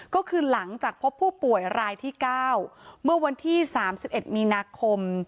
ก็คือหลังจากพบผู้ป่วยรายที่๙เมื่อวันที่๓๑มีนาคม